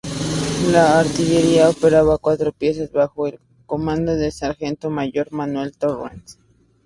La artillería operaba cuatro piezas bajo el comando del sargento mayor Manuel Torrens.